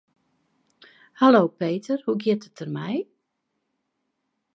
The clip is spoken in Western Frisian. Hallo Peter, hoe giet it der mei?